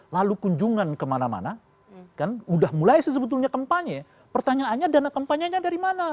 lalu kunjungan kemana mana kan udah mulai sebetulnya kampanye pertanyaannya dana kampanye nya dari mana